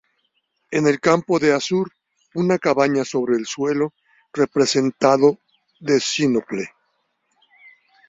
En el campo de azur, una cabaña sobre el suelo, representado de sínople.